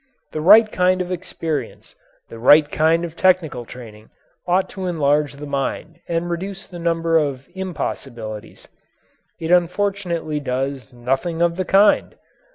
The right kind of experience, the right kind of technical training, ought to enlarge the mind and reduce the number of impossibilities. It unfortunately does nothing of the kind.